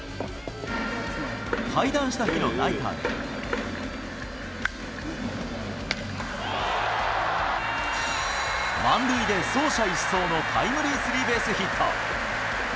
対談した日のナイターで、満塁で走者一掃のタイムリースリーベースヒット。